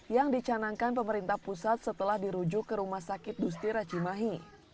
yang dicanangkan pemerintah pusat setelah dirujuk ke rumah sakit dustira cimahi